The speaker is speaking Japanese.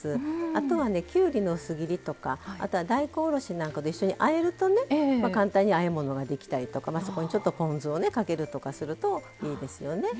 あとは、きゅうりの薄切りとかあとは大根おろしなんかとあえると簡単にあえ物ができたりとかそこにちょっとポン酢をかけるとかするといいですよね。